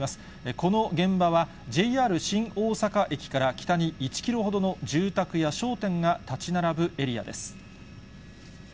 この現場は、ＪＲ新大阪駅から北に１キロほどの住宅や商店が建ち並ぶエリアです。